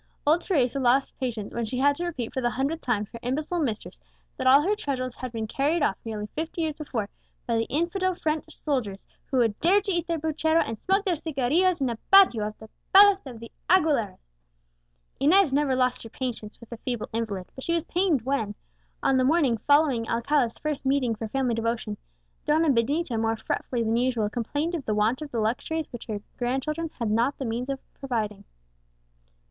Old Teresa lost patience when she had to repeat for the hundredth time to her imbecile mistress that her treasures had all been carried off, nearly fifty years before, by the infidel French soldiers, who had dared to eat their puchero and smoke their cigarillos in the patio of the palace of the Aguileras. Inez never lost her patience with the feeble invalid, but she was pained when, on the morning following Alcala's first meeting for family devotion, Donna Benita more fretfully than usual complained of the want of the luxuries which her grandchildren had not the means of providing.